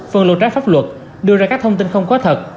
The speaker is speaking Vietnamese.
phân lô trái pháp luật đưa ra các thông tin không có thật